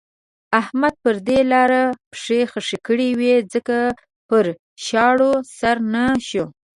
احمد پر دې لاره پښې خښې کړې وې ځکه پر شاړو سر نه شو.